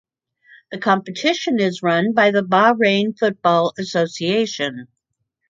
The competition is run by the Bahrain Football Association.